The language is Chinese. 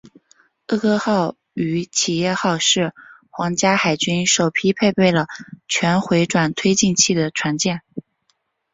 厄科号与企业号是皇家海军首批配备了全回转推进器的船舰。